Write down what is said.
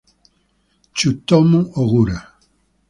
Tsutomu Ogura